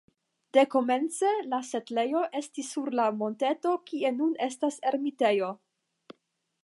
Dekomence la setlejo estis sur la monteto kie nun estas ermitejo.